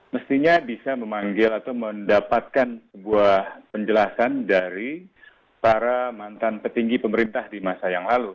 mestinya bisa memanggil atau mendapatkan sebuah penjelasan dari para mantan petinggi pemerintah di masa yang lalu